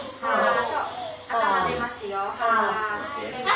頭出ますよ。